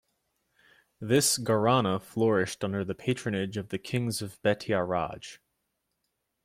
This gharana flourished under the patronage of the kings of Bettiah Raj.